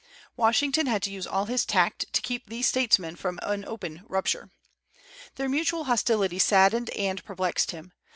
Washington had to use all his tact to keep these statesmen from an open rupture. Their mutual hostility saddened and perplexed him.